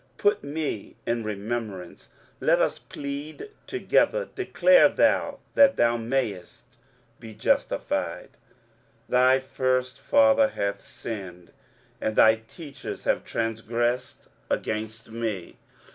23:043:026 Put me in remembrance: let us plead together: declare thou, that thou mayest be justified. 23:043:027 Thy first father hath sinned, and thy teachers have transgressed against me.